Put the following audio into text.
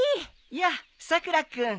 やあさくら君。